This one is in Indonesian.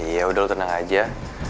ya udah tenang aja